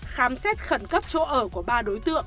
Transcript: khám xét khẩn cấp chỗ ở của ba đối tượng